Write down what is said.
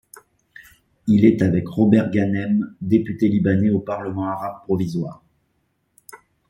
Il est avec Robert Ghanem député libanais au Parlement arabe provisoire.